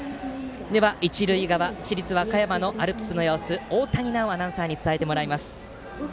では一塁側、市立和歌山のアルプスの様子を大谷奈央アナウンサーに伝えてもらいます。